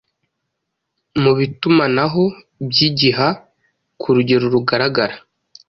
mubitumanaho byigiha, kurugero rugaragara